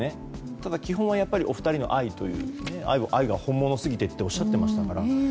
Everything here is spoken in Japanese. ただ、基本はお二人の愛が本物すぎてとおっしゃっていましたから。